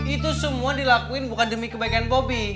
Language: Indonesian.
itu semua dilakuin bukan demi kebaikan bobi